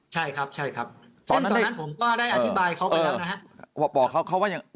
ใช่ครับซึ่งตอนนั้นผมก็ได้อธิบายเขาไปแล้วนะครับ